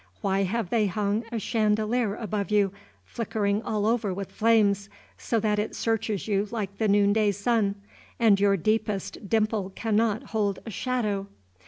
Why have they hung a chandelier above you, flickering all over with flames, so that it searches you like the noonday sun, and your deepest dimple cannot hold a shadow?